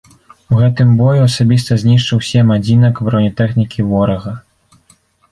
У гэтым бою асабіста знішчыў сем адзінак бронетэхнікі ворага.